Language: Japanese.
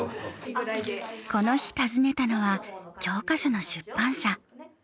この日訪ねたのは教科書の出版社。